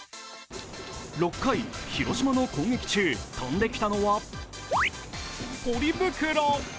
６回、広島の攻撃中、飛んできたのはポリ袋。